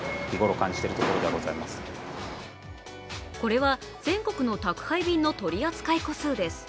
これは全国の宅配便の取り扱い個数です。